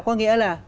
có nghĩa là